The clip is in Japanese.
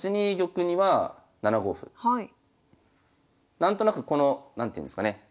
何となくこの何ていうんですかね